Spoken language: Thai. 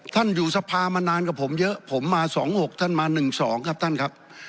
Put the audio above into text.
ท่านอยู่สภามานานกับผมเยอะผมมา๒๖ท่านมา๑๒ครับท่านครับ